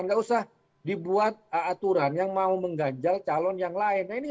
nggak usah dibuat aturan yang mau mengganjal calon yang lain